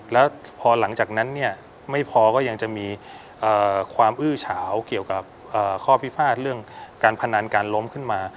แล้วพอหลังจากนั้นเนี่ยไม่พอก็ยังจะมีความอื้อเฉาเกี่ยวกับข้อพิพาทเรื่องการพนันการล้มขึ้นมา